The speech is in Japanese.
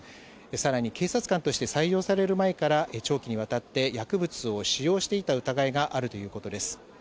さらに、警察官として採用される前から長期にわたって薬物を使用していた疑いがあるということです。